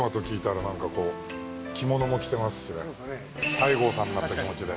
西郷さんになった気持ちで。